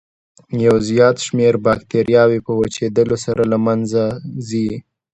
یو زیات شمېر باکتریاوې په وچېدلو سره له منځه ځي.